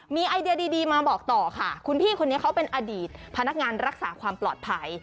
มีไอเดียดีมาบอกต่อค่ะคุณพี่คนนี้เขาเป็นอดีตพนักงานรักษาความปลอดภัย